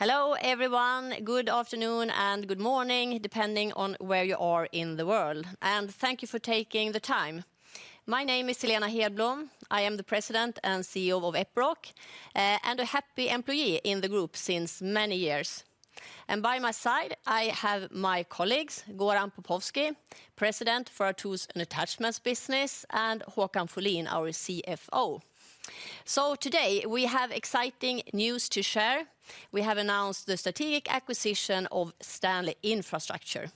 Hello, everyone. Good afternoon and good morning, depending on where you are in the world, and thank you for taking the time. My name is Helena Hedblom. I am the President and CEO of Epiroc, and a happy employee in the group since many years. And by my side, I have my colleagues, Goran Popovski, President for our tools and attachments business, and Håkan Folin, our CFO. So today, we have exciting news to share. We have announced the strategic acquisition of Stanley Infrastructure.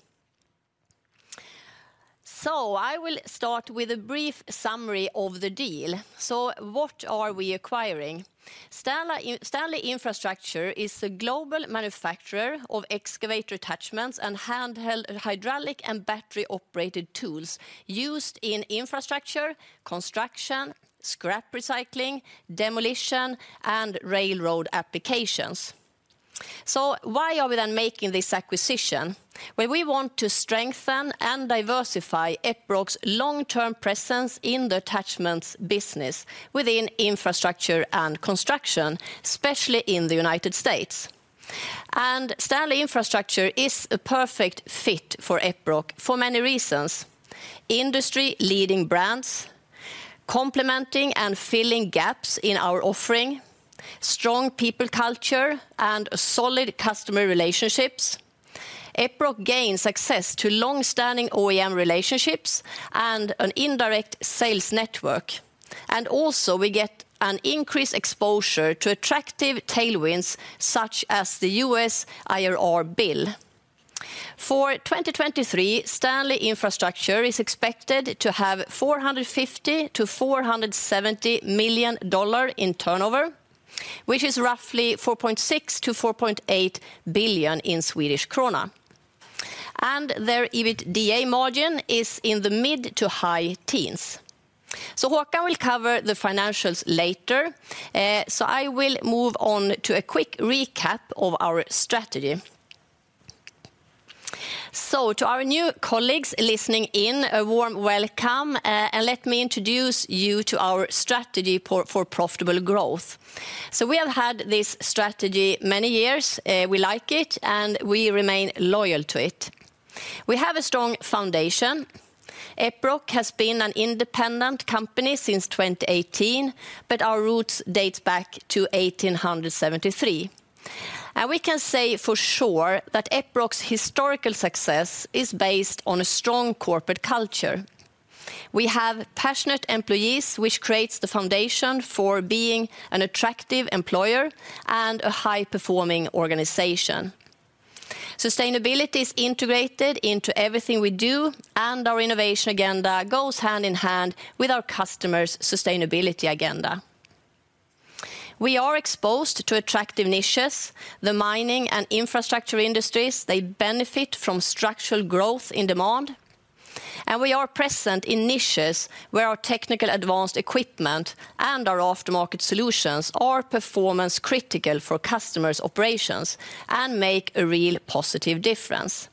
So I will start with a brief summary of the deal. So what are we acquiring? Stanley Infrastructure is a global manufacturer of excavator attachments and handheld hydraulic and battery-operated tools used in infrastructure, construction, scrap recycling, demolition, and railroad applications. So why are we then making this acquisition? Well, we want to strengthen and diversify Epiroc's long-term presence in the attachments business within infrastructure and construction, especially in the United States. And Stanley Infrastructure is a perfect fit for Epiroc for many reasons: industry-leading brands, complementing and filling gaps in our offering, strong people culture, and solid customer relationships. Epiroc gains access to long-standing OEM relationships and an indirect sales network, and also we get an increased exposure to attractive tailwinds, such as the US IRA Bill. For 2023, Stanley Infrastructure is expected to have $450 million-$470 million in turnover, which is roughly 4.6 billion-4.8 billion in Swedish krona, and their EBITDA margin is in the mid- to high teens. So Håkan will cover the financials later, so I will move on to a quick recap of our strategy. So to our new colleagues listening in, a warm welcome, and let me introduce you to our strategy for profitable growth. So we have had this strategy many years, we like it, and we remain loyal to it. We have a strong foundation. Epiroc has been an independent company since 2018, but our roots date back to 1873. We can say for sure that Epiroc's historical success is based on a strong corporate culture. We have passionate employees, which creates the foundation for being an attractive employer and a high-performing organization. Sustainability is integrated into everything we do, and our innovation agenda goes hand in hand with our customers' sustainability agenda. We are exposed to attractive niches, the mining and infrastructure industries. They benefit from structural growth in demand, and we are present in niches where our technical advanced equipment and our aftermarket solutions are performance critical for customers' operations and make a real positive difference.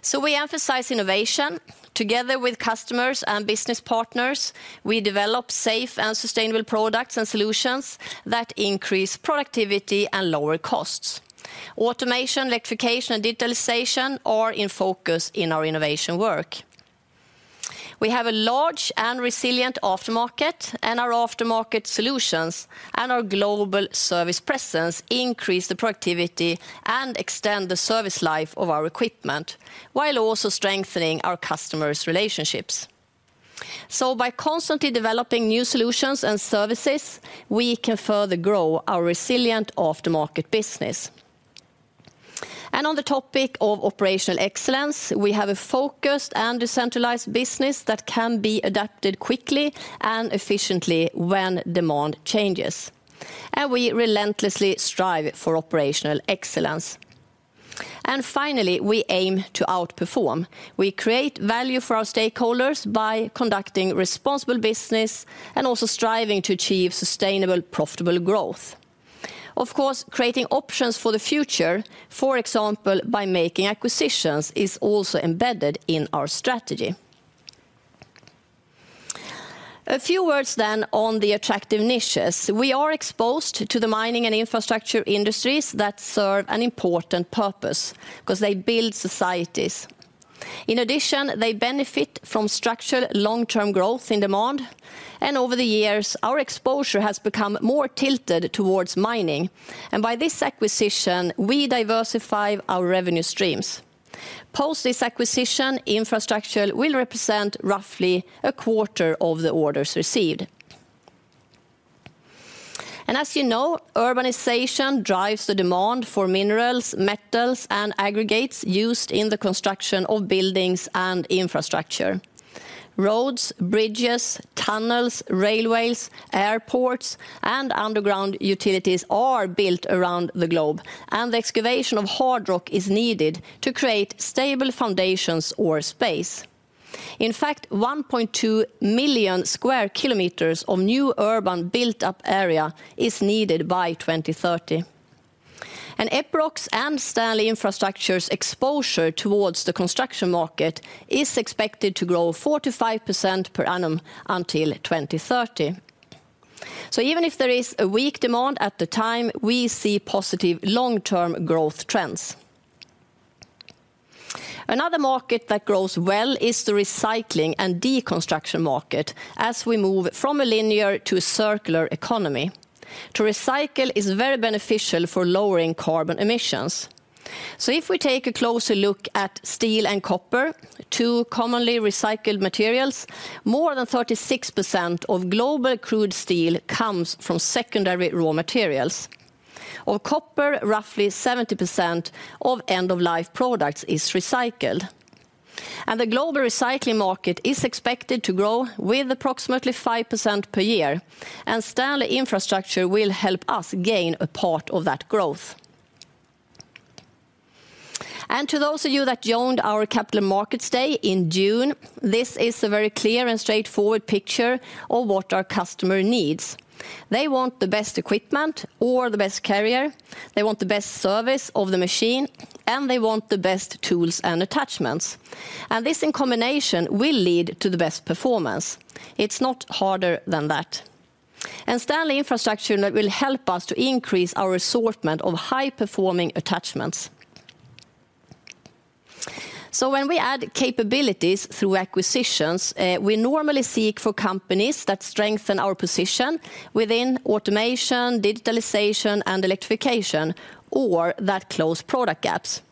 So we emphasize innovation. Together with customers and business partners, we develop safe and sustainable products and solutions that increase productivity and lower costs. Automation, electrification, and digitalization are in focus in our innovation work. We have a large and resilient aftermarket, and our aftermarket solutions and our global service presence increase the productivity and extend the service life of our equipment, while also strengthening our customers' relationships. So by constantly developing new solutions and services, we can further grow our resilient aftermarket business. And on the topic of operational excellence, we have a focused and decentralized business that can be adapted quickly and efficiently when demand changes, and we relentlessly strive for operational excellence. Finally, we aim to outperform. We create value for our stakeholders by conducting responsible business and also striving to achieve sustainable, profitable growth. Of course, creating options for the future, for example, by making acquisitions, is also embedded in our strategy. A few words then on the attractive niches. We are exposed to the mining and infrastructure industries that serve an important purpose, because they build societies. In addition, they benefit from structured long-term growth in demand, and over the years, our exposure has become more tilted towards mining. By this acquisition, we diversify our revenue streams. Post this acquisition, infrastructure will represent roughly a quarter of the orders received. As you know, urbanization drives the demand for minerals, metals, and aggregates used in the construction of buildings and infrastructure. Roads, bridges, tunnels, railways, airports, and underground utilities are built around the globe, and the excavation of hard rock is needed to create stable foundations or space. In fact, 1.2 million sq km of new urban built-up area is needed by 2030. And Epiroc's and Stanley Infrastructure's exposure towards the construction market is expected to grow 4%-5% per annum until 2030. So even if there is a weak demand at the time, we see positive long-term growth trends.... Another market that grows well is the recycling and deconstruction market as we move from a linear to a circular economy. To recycle is very beneficial for lowering carbon emissions. So if we take a closer look at steel and copper, two commonly recycled materials, more than 36% of global crude steel comes from secondary raw materials. Of copper, roughly 70% of end-of-life products is recycled, and the global recycling market is expected to grow with approximately 5% per year, and Stanley Infrastructure will help us gain a part of that growth. To those of you that joined our Capital Markets Day in June, this is a very clear and straightforward picture of what our customer needs. They want the best equipment or the best carrier, they want the best service of the machine, and they want the best tools and attachments. And this, in combination, will lead to the best performance. It's not harder than that. And Stanley Infrastructure will help us to increase our assortment of high-performing attachments. So when we add capabilities through acquisitions, we normally seek for companies that strengthen our position within automation, digitalization, and electrification, or that close product gaps.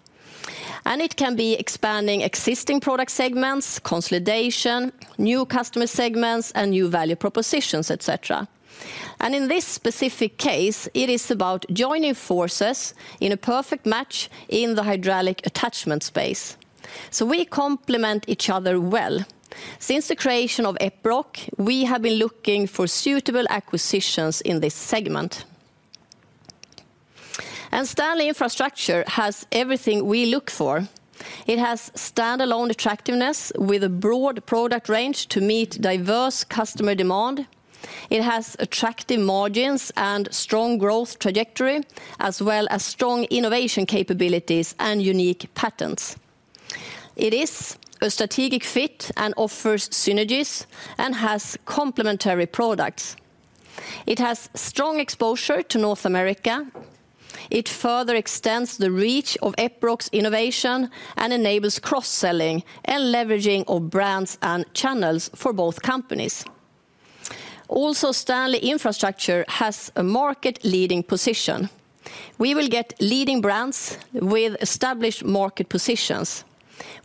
It can be expanding existing product segments, consolidation, new customer segments, and new value propositions, et cetera. In this specific case, it is about joining forces in a perfect match in the hydraulic attachment space. We complement each other well. Since the creation of Epiroc, we have been looking for suitable acquisitions in this segment. Stanley Infrastructure has everything we look for. It has standalone attractiveness with a broad product range to meet diverse customer demand. It has attractive margins and strong growth trajectory, as well as strong innovation capabilities and unique patents. It is a strategic fit and offers synergies and has complementary products. It has strong exposure to North America. It further extends the reach of Epiroc's innovation and enables cross-selling and leveraging of brands and channels for both companies. Also, Stanley Infrastructure has a market-leading position. We will get leading brands with established market positions.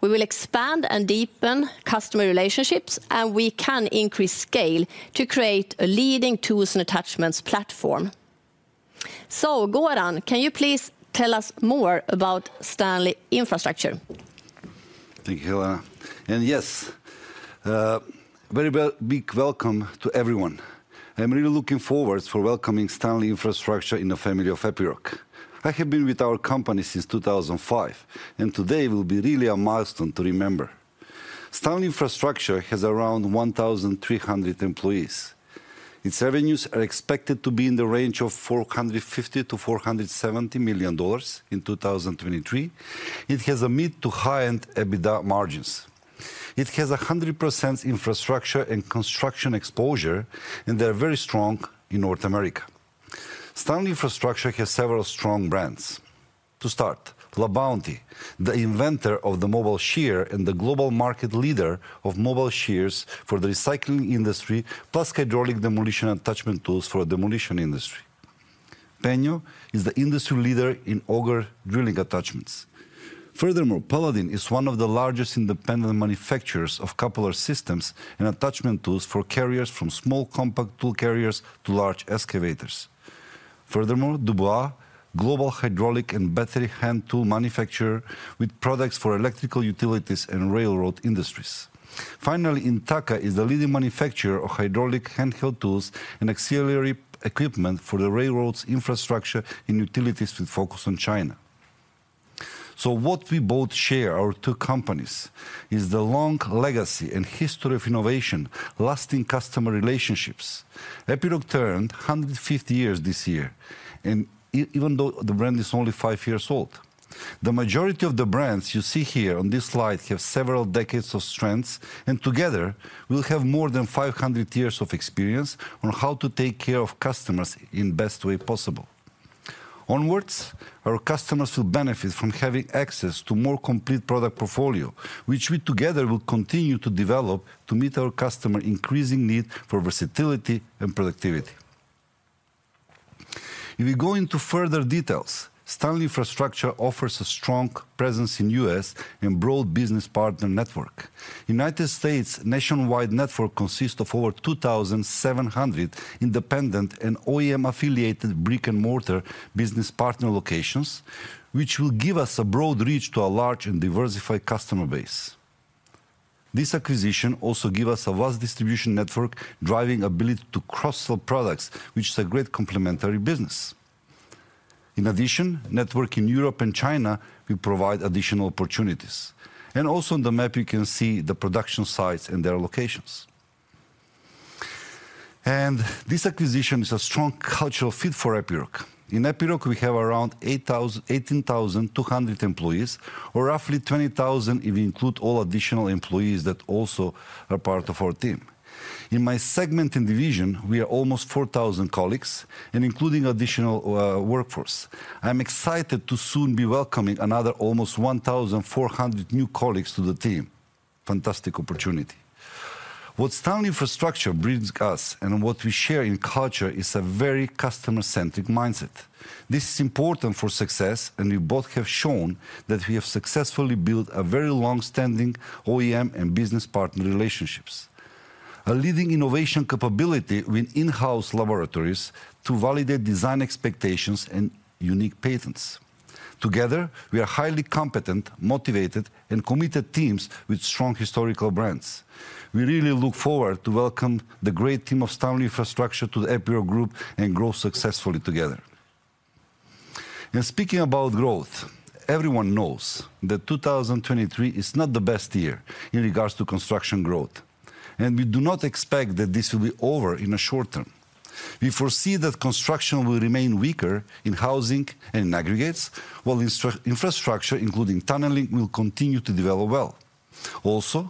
We will expand and deepen customer relationships, and we can increase scale to create a leading tools and attachments platform. So, Goran, can you please tell us more about Stanley Infrastructure? Thank you, Helena. Yes, very well, big welcome to everyone. I'm really looking forward for welcoming Stanley Infrastructure in the family of Epiroc. I have been with our company since 2005, and today will be really a milestone to remember. Stanley Infrastructure has around 1,300 employees. Its revenues are expected to be in the range of $450 million-$470 million in 2023. It has a mid- to high-end EBITDA margins. It has a 100% infrastructure and construction exposure, and they are very strong in North America. Stanley Infrastructure has several strong brands. To start, LaBounty, the inventor of the mobile shear and the global market leader of mobile shears for the recycling industry, plus hydraulic demolition attachment tools for the demolition industry. Pengo is the industry leader in auger drilling attachments. Furthermore, Paladin is one of the largest independent manufacturers of coupler systems and attachment tools for carriers from small compact tool carriers to large excavators. Furthermore, Dubuis, global hydraulic and battery hand tool manufacturer with products for electrical utilities and railroad industries. Finally, Intaka is the leading manufacturer of hydraulic handheld tools and auxiliary equipment for the railroads, infrastructure, and utilities with focus on China. So what we both share, our two companies, is the long legacy and history of innovation, lasting customer relationships. Epiroc turned 150 years this year, and even though the brand is only five years old, the majority of the brands you see here on this slide have several decades of strengths, and together, we'll have more than 500 years of experience on how to take care of customers in best way possible. Onward, our customers will benefit from having access to more complete product portfolio, which we together will continue to develop to meet our customer increasing need for versatility and productivity. If we go into further details, Stanley Infrastructure offers a strong presence in U.S. and broad business partner network. United States nationwide network consists of over 2,700 independent and OEM-affiliated brick-and-mortar business partner locations, which will give us a broad reach to a large and diversified customer base. This acquisition also give us a vast distribution network, driving ability to cross-sell products, which is a great complementary business. In addition, network in Europe and China will provide additional opportunities. Also on the map, you can see the production sites and their locations. This acquisition is a strong cultural fit for Epiroc. In Epiroc, we have around 8,000--18,200 employees, or roughly 20,000, if you include all additional employees that also are part of our team. In my segment and division, we are almost 4,000 colleagues and including additional, workforce. I'm excited to soon be welcoming another almost 1,400 new colleagues to the team... fantastic opportunity. What Stanley Infrastructure brings us and what we share in culture is a very customer-centric mindset. This is important for success, and we both have shown that we have successfully built a very long-standing OEM and business partner relationships. A leading innovation capability with in-house laboratories to validate design expectations and unique patents. Together, we are highly competent, motivated, and committed teams with strong historical brands. We really look forward to welcome the great team of Stanley Infrastructure to the Epiroc group and grow successfully together. Speaking about growth, everyone knows that 2023 is not the best year in regards to construction growth, and we do not expect that this will be over in a short term. We foresee that construction will remain weaker in housing and in aggregates, while infrastructure, including tunneling, will continue to develop well. Also,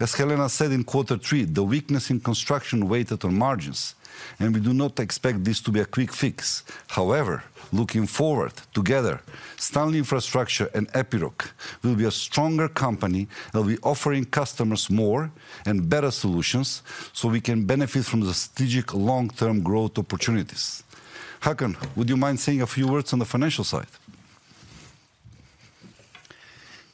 as Helena said in quarter three, the weakness in construction weighed on margins, and we do not expect this to be a quick fix. However, looking forward together, Stanley Infrastructure and Epiroc will be a stronger company that will be offering customers more and better solutions, so we can benefit from the strategic long-term growth opportunities. Håkan, would you mind saying a few words on the financial side?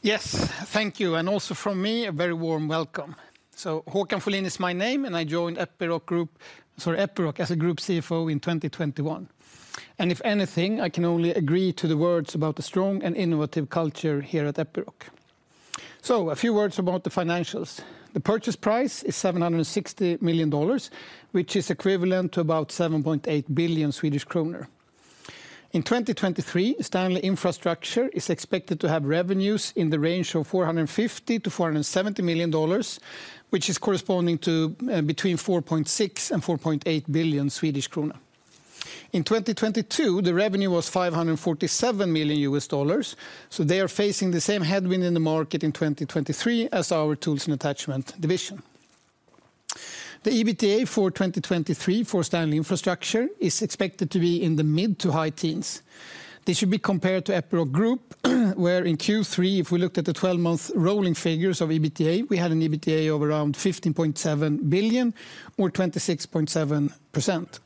Yes, thank you. And also from me, a very warm welcome. So Håkan Folin is my name, and I joined Epiroc Group, sorry, Epiroc, as a group CFO in 2021. And if anything, I can only agree to the words about the strong and innovative culture here at Epiroc. So a few words about the financials. The purchase price is $760 million, which is equivalent to about 7.8 billion Swedish kronor. In 2023, Stanley Infrastructure is expected to have revenues in the range of $450 million-$470 million, which is corresponding to between 4.6 billion and 4.8 billion Swedish krona. In 2022, the revenue was $547 million, so they are facing the same headwind in the market in 2023 as our tools and attachment division. The EBITDA for 2023 for Stanley Infrastructure is expected to be in the mid- to high-teens %. This should be compared to Epiroc Group, where in Q3, if we looked at the twelve-month rolling figures of EBITDA, we had an EBITDA of around 15.7 billion or 26.7%.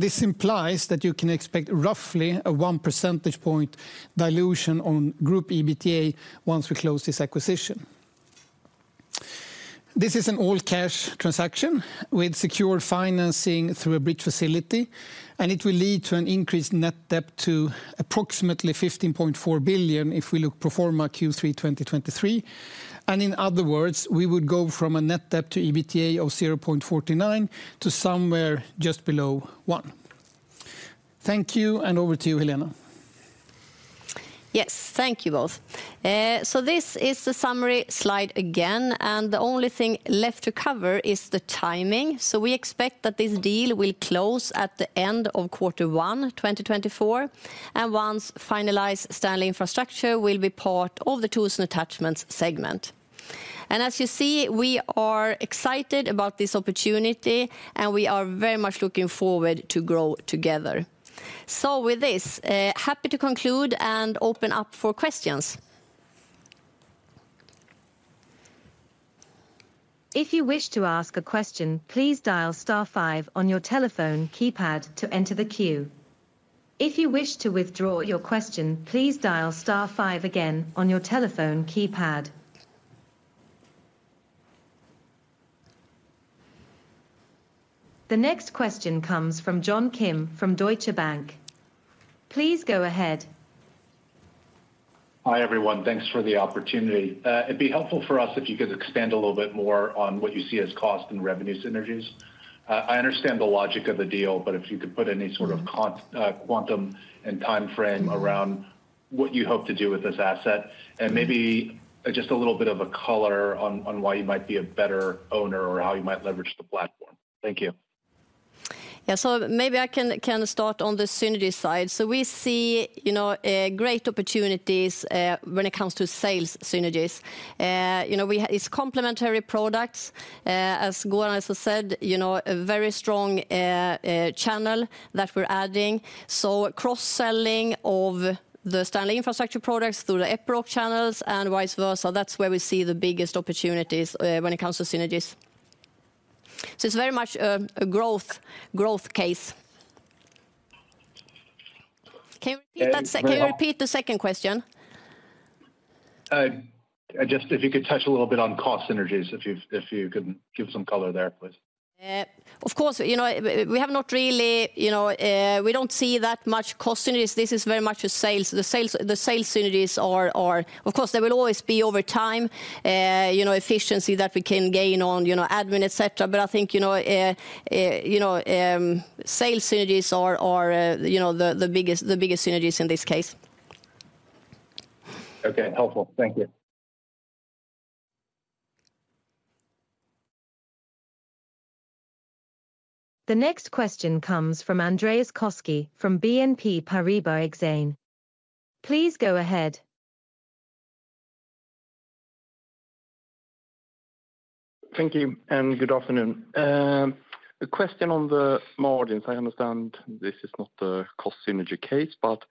This implies that you can expect roughly a one percentage point dilution on group EBITDA once we close this acquisition. This is an all-cash transaction with secure financing through a bridge facility, and it will lead to an increased net debt to approximately 15.4 billion if we look pro forma Q3 2023. In other words, we would go from a net debt to EBITDA of 0.49 to somewhere just below 1. Thank you, and over to you, Helena. Yes, thank you both. So this is the summary slide again, and the only thing left to cover is the timing. So we expect that this deal will close at the end of quarter 1, 2024. And once finalized, Stanley Infrastructure will be part of the tools and attachments segment. And as you see, we are excited about this opportunity, and we are very much looking forward to grow together. So with this, happy to conclude and open up for questions. If you wish to ask a question, please dial star five on your telephone keypad to enter the queue. If you wish to withdraw your question, please dial star five again on your telephone keypad. The next question 1from John Kim from Deutsche Bank. Please go ahead. Hi, everyone. Thanks for the opportunity. It'd be helpful for us if you could expand a little bit more on what you see as cost and revenue synergies. I understand the logic of the deal, but if you could put any sort of quantum and timeframe around what you hope to do with this asset, and maybe just a little bit of a color on, on why you might be a better owner or how you might leverage the platform. Thank you. Yeah. So maybe I can start on the synergy side. So we see, you know, great opportunities when it comes to sales synergies. You know, it's complementary products, as Goran also said, you know, a very strong channel that we're adding. So cross-selling of the Stanley Infrastructure products through the Epiroc channels and vice versa, that's where we see the biggest opportunities when it comes to synergies. So it's very much a growth case. Can you repeat that se- Very well- Can you repeat the second question? Just if you could touch a little bit on cost synergies, if you can give some color there, please. Of course, you know, we have not really, you know. We don't see that much cost synergies. This is very much a sales. The sales synergies are. Of course, there will always be, over time, you know, efficiency that we can gain on, you know, admin, et cetera. But I think, you know, sales synergies are, you know, the, the biggest, the biggest synergies in this case. Okay, helpful. Thank you. The next question comes from Andreas Koski from BNP Paribas Exane. Please go ahead.... Thank you, and good afternoon. The question on the margins, I understand this is not the cost synergy case, but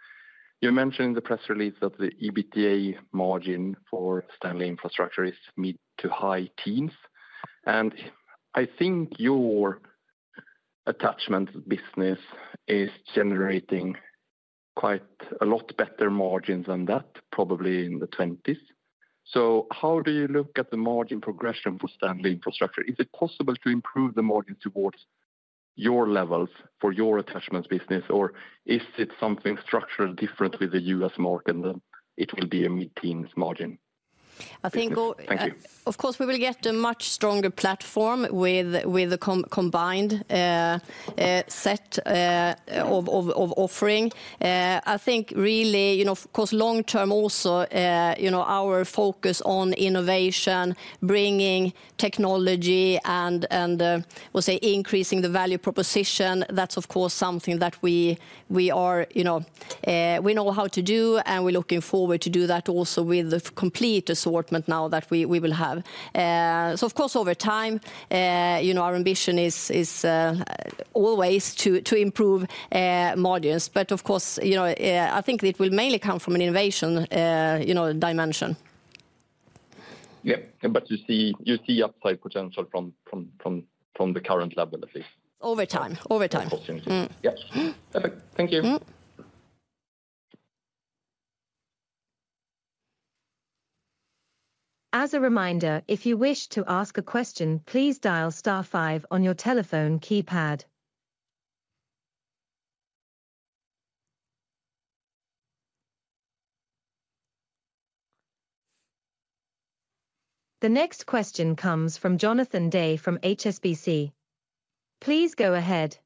you mentioned in the press release that the EBITDA margin for Stanley Infrastructure is mid to high teens. And I think your attachment business is generating quite a lot better margins than that, probably in the twenties. So how do you look at the margin progression for Stanley Infrastructure? Is it possible to improve the margin towards your levels for your attachments business, or is it something structurally different with the U.S. market, and it will be a mid-teens margin? I think- Thank you. Of course, we will get a much stronger platform with the combined set of offering. I think really, you know, of course, long term also, you know, our focus on innovation, bringing technology and, and what's say, increasing the value proposition, that's of course something that we, we are, you know, we know how to do, and we're looking forward to do that also with the complete assortment now that we, we will have. So of course, over time, you know, our ambition is always to improve margins. But of course, you know, I think it will mainly come from an innovation, you know, dimension. Yeah, but you see upside potential from the current level at least? Over time. Over time. Yes. Perfect. Thank you. Mm-hmm. As a reminder, if you wish to ask a question, please dial star five on your telephone keypad. The next question comes from Jonathan Day from HSBC. Please go ahead.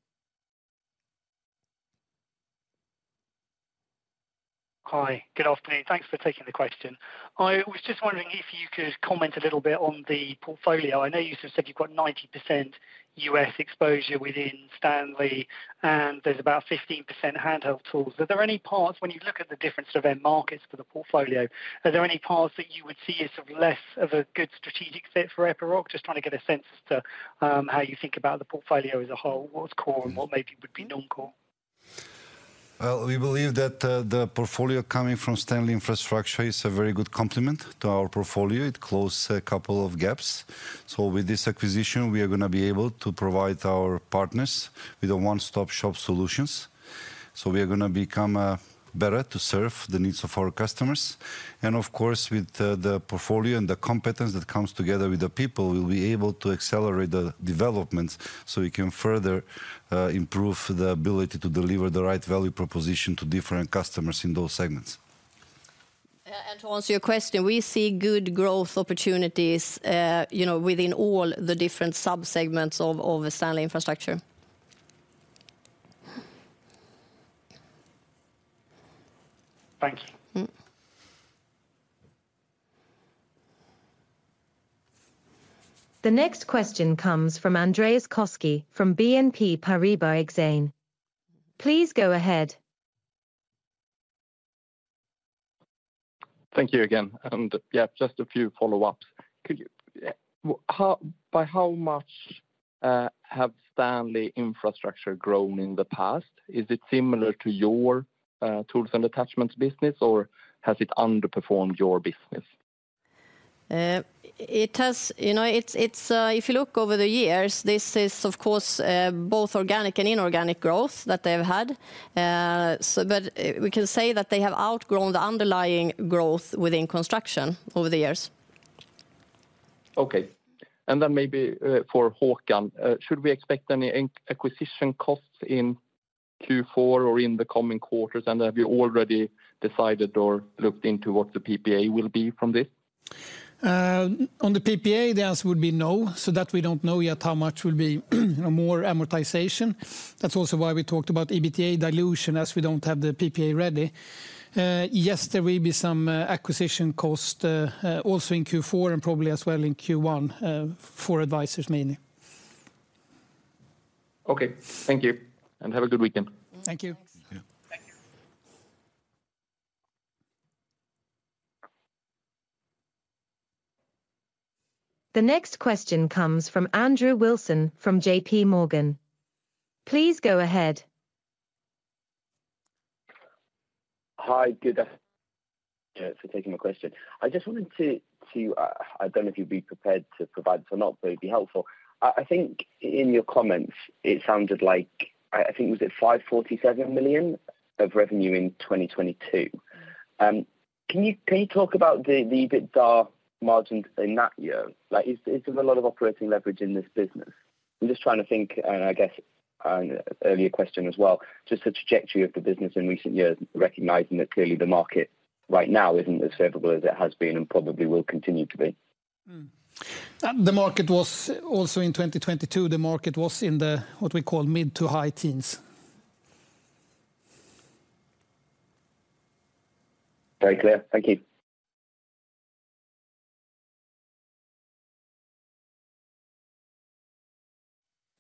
Hi. Good afternoon. Thanks for taking the question. I was just wondering if you could comment a little bit on the portfolio. I know you said you've got 90% U.S. exposure within Stanley, and there's about 15% handheld tools. Are there any parts-- When you look at the different sort of end markets for the portfolio, are there any parts that you would see as sort of less of a good strategic fit for Epiroc? Just trying to get a sense as to how you think about the portfolio as a whole, what's core and what maybe would be non-core. Well, we believe that, the portfolio coming from Stanley Infrastructure is a very good complement to our portfolio. It closed a couple of gaps. So with this acquisition, we are going to be able to provide our partners with a one-stop shop solutions. So we are going to become, better to serve the needs of our customers, and of course, with the portfolio and the competence that comes together with the people, we'll be able to accelerate the developments, so we can further, improve the ability to deliver the right value proposition to different customers in those segments. To answer your question, we see good growth opportunities, you know, within all the different subsegments of Stanley Infrastructure. Thank you. Mm. The next question comes from Andreas Koski from BNP Paribas Exane. Please go ahead. Thank you again. And, yeah, just a few follow-ups. By how much have Stanley Infrastructure grown in the past? Is it similar to your tools and attachments business, or has it underperformed your business? It has... You know, it's if you look over the years, this is, of course, both organic and inorganic growth that they've had. So, but we can say that they have outgrown the underlying growth within construction over the years. Okay, and then maybe, for Håkan, should we expect any acquisition costs in Q4 or in the coming quarters, and have you already decided or looked into what the PPA will be from this? On the PPA, the answer would be no. So that we don't know yet how much will be more amortization. That's also why we talked about EBITDA dilution, as we don't have the PPA ready. Yes, there will be some acquisition cost also in Q4 and probably as well in Q1 for advisors, mainly. Okay. Thank you, and have a good weekend. Thank you. Thanks. Thank you. The next question comes from Andrew Wilson from J.P. Morgan. Please go ahead. Hi, thanks for taking my question. I just wanted to, I don't know if you'd be prepared to provide or not, but it'd be helpful. I think in your comments, it sounded like, I think it was at 547 million of revenue in 2022. Can you talk about the EBITDA margins in that year? Like, is there a lot of operating leverage in this business? I'm just trying to think, and I guess, earlier question as well, just the trajectory of the business in recent years, recognizing that clearly the market right now isn't as favorable as it has been and probably will continue to be. The market was, also in 2022, the market was in what we call mid- to high teens. Very clear. Thank you....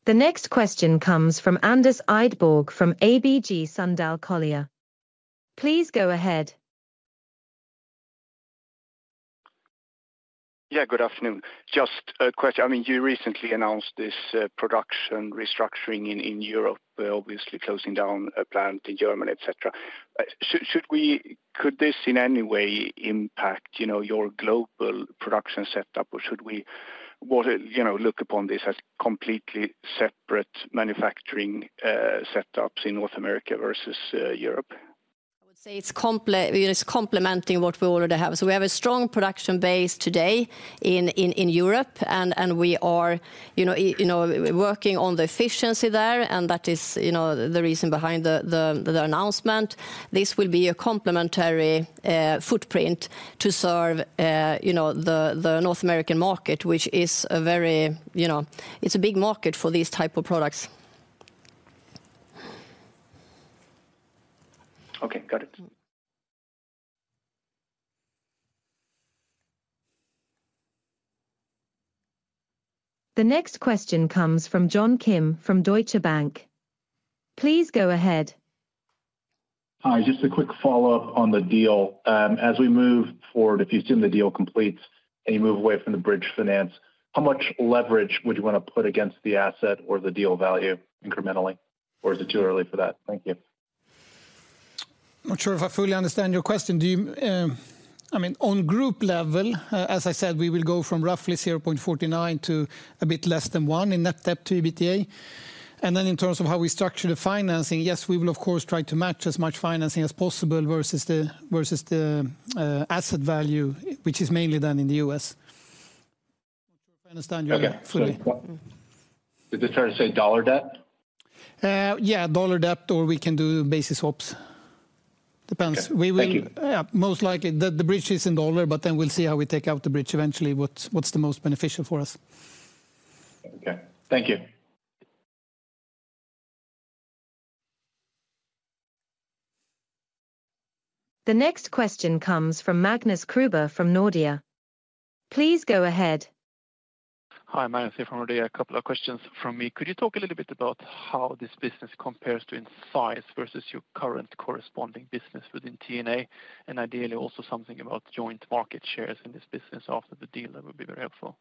The next question comes from Anders Idborg from ABG Sundal Collier. Please go ahead. Yeah, good afternoon. Just a question. I mean, you recently announced this production restructuring in Europe, obviously closing down a plant in Germany, et cetera. Should we- could this in any way impact, you know, your global production setup? Or should we, what, you know, look upon this as completely separate manufacturing setups in North America versus Europe? I would say it's complementing what we already have. So we have a strong production base today in Europe, and we are, you know, working on the efficiency there, and that is, you know, the reason behind the announcement. This will be a complementary footprint to serve, you know, the North American market, which is a very, you know... It's a big market for these type of products. Okay, got it. The next question comes from John Kim from Deutsche Bank. Please go ahead. Hi, just a quick follow-up on the deal. As we move forward, if you assume the deal completes and you move away from the bridge finance, how much leverage would you want to put against the asset or the deal value incrementally, or is it too early for that? Thank you. I'm not sure if I fully understand your question. Do you, I mean, on group level, as I said, we will go from roughly 0.49 to a bit less than one in net debt to EBITDA. And then in terms of how we structure the financing, yes, we will of course, try to match as much financing as possible versus the, versus the, asset value, which is mainly done in the US. Not sure if I understand you fully. Okay. Did you try to say dollar debt? Yeah, dollar debt, or we can do basis swaps. Depends. Okay. Thank you. We will most likely. The bridge is in dollar, but then we'll see how we take out the bridge eventually. What's the most beneficial for us? Okay. Thank you. The next question comes from Magnus Kruber from Nordea. Please go ahead. Hi, Magnus here from Nordea. A couple of questions from me. Could you talk a little bit about how this business compares to in size versus your current corresponding business within TNA, and ideally, also something about joint market shares in this business after the deal? That would be very helpful.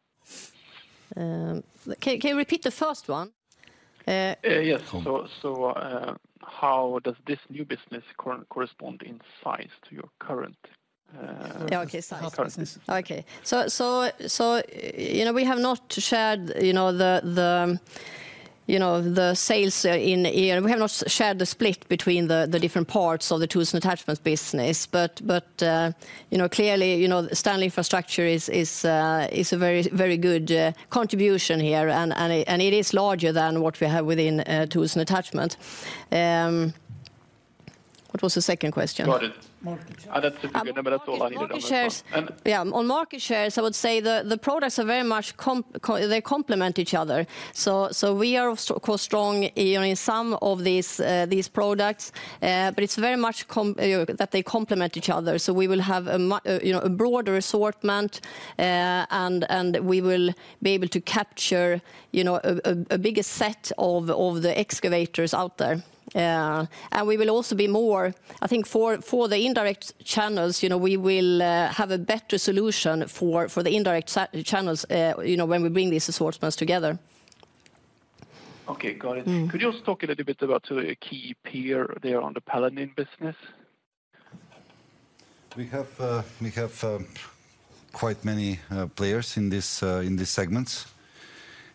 Can you repeat the first one? Yes. So, how does this new business correspond in size to your current? Yeah, okay. Current business? Okay. So, you know, we have not shared, you know, the sales in here. We have not shared the split between the different parts of the tools and attachments business. But, you know, clearly, you know, Stanley Infrastructure is a very, very good contribution here, and it is larger than what we have within tools and attachment. What was the second question? Got it. Market share. I thought you were gonna talk about it. Market shares. Yeah, on market shares, I would say the products are very much complementary. They complement each other. So we are of course strong in some of these products, but it's very much complementary that they complement each other. So we will have a much broader assortment, and we will be able to capture, you know, a bigger set of the excavators out there. And we will also be more, I think, for the indirect channels, you know, we will have a better solution for the indirect sales channels, you know, when we bring these assortments together. Okay, got it. Mm. Could you just talk a little bit about, a key peer there on the Paladin business? We have quite many players in this, in these segments.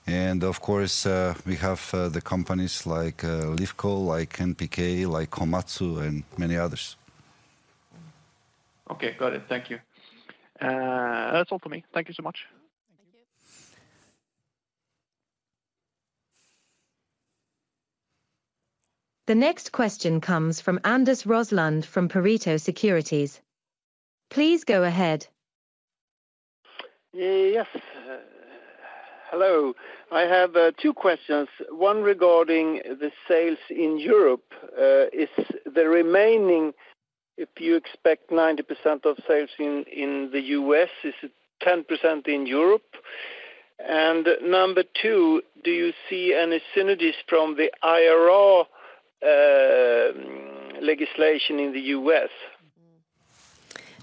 And of course, we have the companies like Lifco, like NPK, like Komatsu, and many others. Okay, got it. Thank you. That's all for me. Thank you so much. Thank you. The next question comes from Anders Roslund from Pareto Securities. Please go ahead. Yes. Hello. I have two questions, one regarding the sales in Europe. Is the remaining, if you expect 90% of sales in the U.S., is it 10% in Europe? And number two, do you see any synergies from the IRA legislation in the U.S.?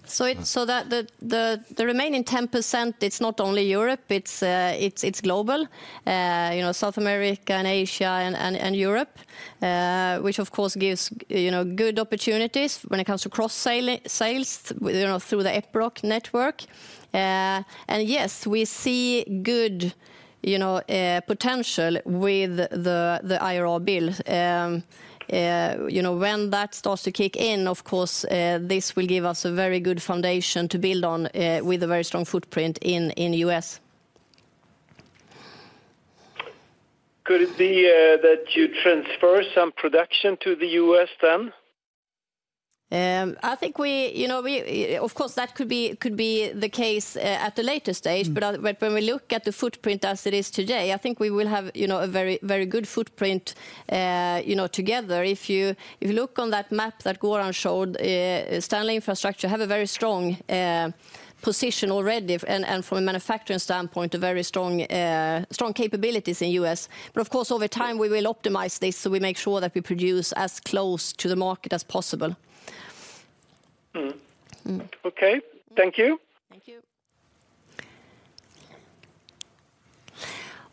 So the remaining 10%, it's not only Europe, it's global, you know, South America and Asia and Europe, which of course gives good opportunities when it comes to cross sales, you know, through the Epiroc network. And yes, we see good potential with the IRA bill. You know, when that starts to kick in, of course, this will give us a very good foundation to build on, with a very strong footprint in the U.S. Could it be, that you transfer some production to the U.S. then? I think we, you know, we, of course, that could be, could be the case at a later stage, but when we look at the footprint as it is today, I think we will have, you know, a very, very good footprint, you know, together. If you, if you look on that map that Goran showed, Stanley Infrastructure have a very strong position already, and, and from a manufacturing standpoint, a very strong, strong capabilities in U.S. But of course, over time, we will optimize this, so we make sure that we produce as close to the market as possible. Mm-hmm. Mm. Okay. Thank you.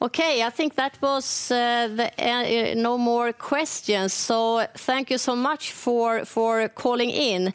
Thank you. Okay, I think that was the no more questions. So thank you so much for calling in